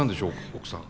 奥さん。